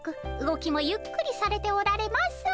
動きもゆっくりされておられます。